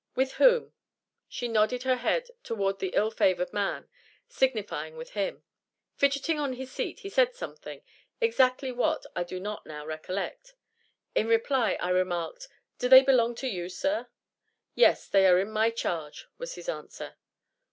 "With whom?" She nodded her head toward the ill favored man, signifying with him. Fidgeting on his seat, he said something, exactly what I do not now recollect. In reply I remarked: "Do they belong to you, Sir?" "Yes, they are in my charge," was his answer.